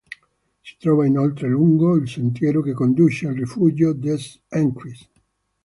Si trova inoltre lungo il sentiero che conduce al rifugio des Écrins.